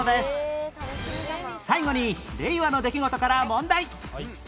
最後に令和の出来事から問題